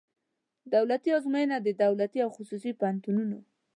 دولتي آزموینه د دولتي او خصوصي پوهنتونونو